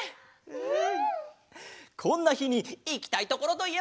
うん。